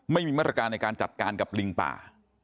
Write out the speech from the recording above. ไม่มีมาตรการในการจัดการกับลิงป่า